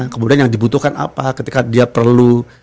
kemudian yang dibutuhkan apa ketika dia perlu